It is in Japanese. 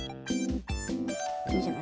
いいんじゃない？